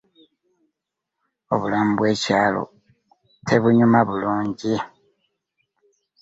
Obulamu bw'ekyalo tebunyuma bulungi.